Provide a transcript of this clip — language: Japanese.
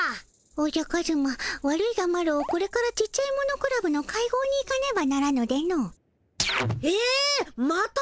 おじゃカズマ悪いがマロこれからちっちゃいものクラブの会合に行かねばならぬでの。え？また？